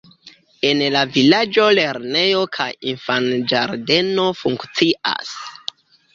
En la vilaĝo lernejo kaj infanĝardeno funkcias.